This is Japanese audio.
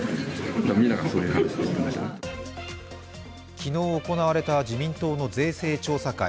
昨日行われた自民党の税制調査会。